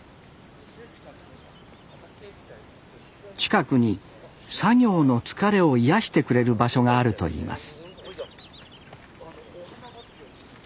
近くに作業の疲れを癒やしてくれる場所があると言います